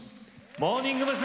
モーニング娘。